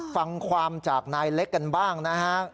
ฟังความจากนายเล็กกันบ้างนะฮะ